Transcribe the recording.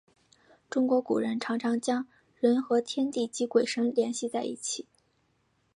中国古人常常将人和天地及鬼神联系在一起。